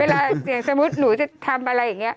เวลาสมมุติหนูจะทำอะไรแบบเนี้ย